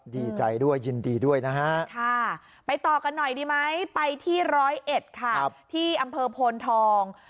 ดีใจด้วยยินดีด้วยนะฮะค่ะไปต่อกันหน่อยดีไหมไปที่ร้อยเอ็ดค่ะที่อำเภอโพนทอง